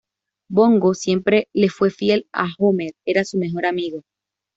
Bongo siempre le fue fiel a Homer, era su mejor amigo.